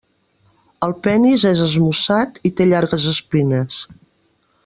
El penis és esmussat i té llargues espines.